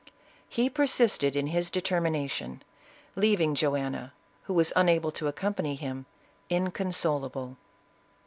He persisted in his determination, leaving Joanna, who was unable to accompany him, inconsolable.